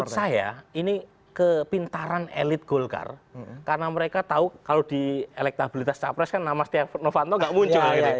menurut saya ini kepintaran elit golkar karena mereka tahu kalau di elektabilitas capres kan nama setia novanto nggak muncul